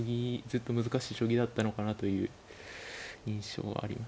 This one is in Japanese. ずっと難しい将棋だったのかなという印象がありました。